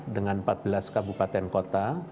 dengan empat belas kabupaten kota